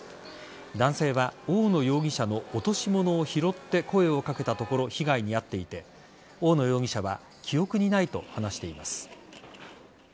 男性は大野容疑者の落とし物を拾って声をかけたところ被害に遭っていて大野容疑者は記憶にないと話しています。